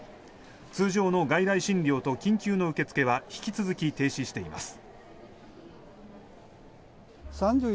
通常の外来診療と緊急の受け付けは引き続き停止しています。